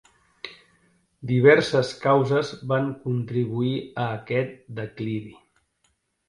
Diverses causes van contribuir a aquest declivi.